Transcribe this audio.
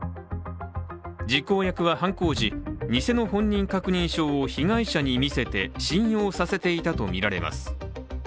実行役は犯行時偽の本人確認証を被害者に見せて信用させていたとみられます。